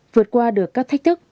vượt qua được các thách thức